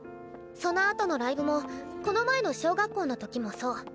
そのあとのライブもこの前の小学校の時もそう。